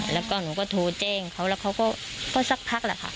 แล้วก็หนูก็โทรแจ้งเขาแล้วเขาก็สักพักแหละค่ะ